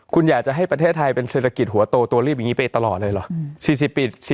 คุณอยากจะให้ประเทศไทยเป็นเศรษฐกิจหัวโตตัวรีบอย่างนี้ไปตลอดเลยเหรอ